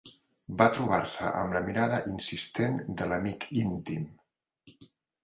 Va trobar-se amb la mirada insistent de l'amic íntim.